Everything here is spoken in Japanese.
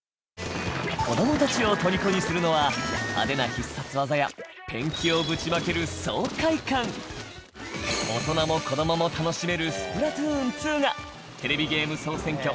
子どもたちをとりこにするのは派手な必殺技やペンキをぶちまける爽快感大人も子どもも楽しめる『スプラトゥーン２』が『テレビゲーム総選挙』